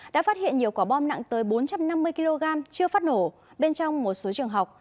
đã phát hiện nhiều quả bom nặng tới bốn trăm năm mươi kg chưa phát nổ bên trong một số trường học